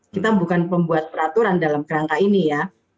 kita bukan pembuat peraturan dalam kerangka ini ya